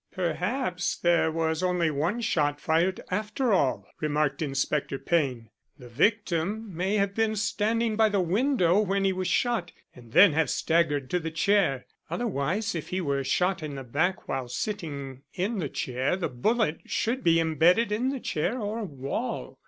"Perhaps there was only one shot fired after all," remarked Inspector Payne. "The victim may have been standing by the window when he was shot, and then have staggered to the chair. Otherwise if he were shot in the back while sitting in the chair the bullet should be embedded in the chair or wall.